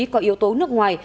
có yếu tố nước ngoài